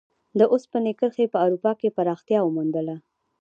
د اوسپنې کرښې په اروپا کې پراختیا وموندله.